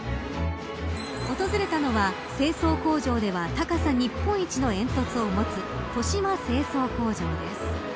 訪れたのは、清掃工場では高さ日本一の煙突を持つ豊島清掃工場です。